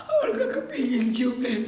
olga kepengen cium nenek min